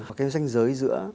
cái danh giới giữa